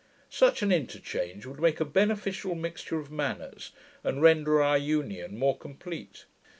Such an interchange would make a beneficial mixture of manners, and render our union more complete.